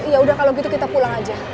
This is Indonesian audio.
yaudah kalau gitu kita pulang aja